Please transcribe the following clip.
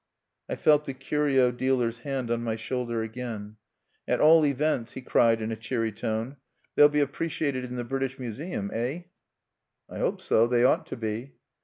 I felt the curio dealer's hand on my shoulder again. "At all events," he cried in a cheery tone, "they'll be appreciated in the British Museum eh?" "I hope so. They ought to be."